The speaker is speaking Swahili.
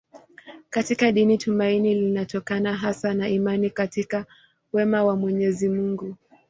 Katika dini tumaini linatokana hasa na imani katika wema wa Mwenyezi Mungu.